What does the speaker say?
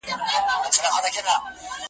چي یې شور په شاوخوا کي وو جوړ کړی .